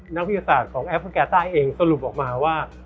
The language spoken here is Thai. นักวิทยาศาสตร์ของแอปพลิกาใต้เองสรุปออกมาว่า